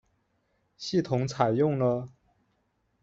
系统采用了。